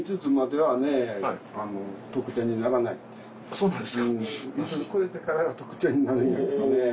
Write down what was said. そうなんですか。